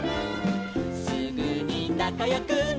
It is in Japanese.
「すぐになかよくなるの」